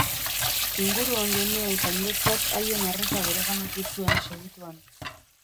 Inguruan genuen jendetzak haien arreta bereganatu zuen segituan.